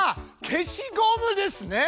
消しゴムですね！